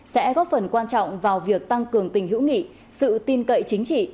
sẽ góp phần quan trọng vào việc tăng cường tình hữu nghị sự tin cậy chính trị